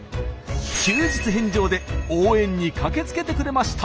休日返上で応援に駆けつけてくれました。